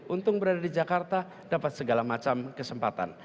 untung berada di jakarta dapat segala macam kesempatan